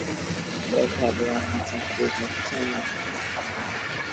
বেকার রানা চাকরি পাচ্ছে না।